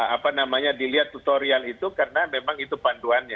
apa namanya dilihat tutorial itu karena memang itu panduannya